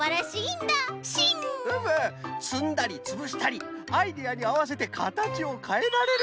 つんだりつぶしたりアイデアにあわせてかたちをかえられる。